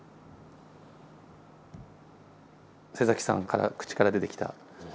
さんから口から出てきた。